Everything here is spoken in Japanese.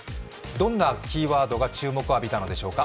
どんなキーワードが注目を浴びたのでしょうか。